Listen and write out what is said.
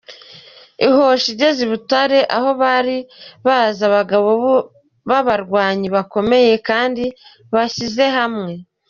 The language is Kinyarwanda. Ihosha igeze i Bitare aho bari bazi abagabo b’abarwanyi bakomeye kandi bashyize hamwe.